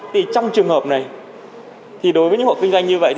trong trường hợp này đối với những hộ kinh doanh như vậy